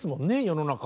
世の中